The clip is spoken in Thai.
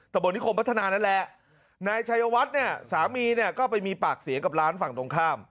บนนิคมพัฒนานั่นแหละนายชัยวัดเนี่ยสามีเนี่ยก็ไปมีปากเสียงกับร้านฝั่งตรงข้าม